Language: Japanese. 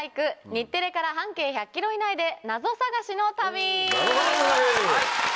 日テレから半径１００ｋｍ以内でナゾ探しの旅。